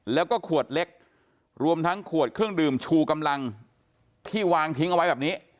แล้วก็ขวดเล็กรวมทั้งขวดเครื่องดื่มชูกำลังที่วางทิ้งเอาไว้แบบนี้